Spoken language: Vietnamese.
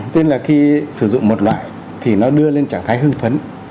nên là khi sử dụng một loại thì nó đưa lên trạng thái hương phấn